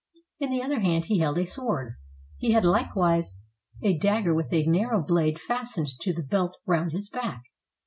In the other hand he held a sword. He had likewise a dagger with a narrow blade fastened to the belt round his back.